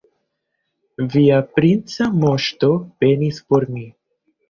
Via princa moŝto penis por mi.